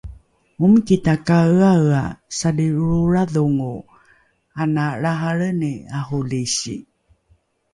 omiki takaeaea salilroolradhongo ana lrahalreni arolisi